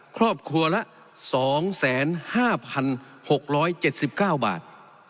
ครอบครัวละสองแสนห้าพันหกร้อยเจ็ดสิบเก้าบาท